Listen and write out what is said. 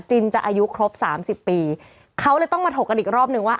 จะอายุครบ๓๐ปีเขาเลยต้องมาถกกันอีกรอบนึงว่า